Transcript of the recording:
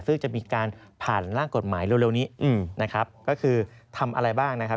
ซึ่งจะมีการผ่านร่างกฎหมายเร็วนี้นะครับก็คือทำอะไรบ้างนะครับ